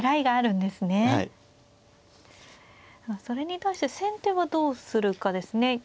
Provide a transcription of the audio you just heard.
それに対して先手はどうするかですね。